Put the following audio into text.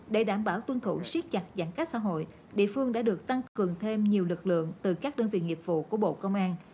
để đảm bảo tuân thủ siết chặt giãn cách xã hội địa phương đã được tăng cường thêm nhiều lực lượng từ các đơn vị nghiệp vụ của bộ công an